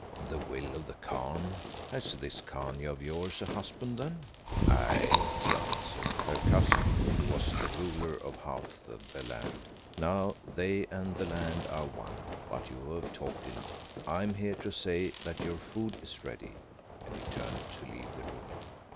"The will of the Khan! Has this Khania of yours a husband then?" "Aye," he answered, "her cousin, who was the ruler of half the land. Now they and the land are one. But you have talked enough; I am here to say that your food is ready," and he turned to leave the room.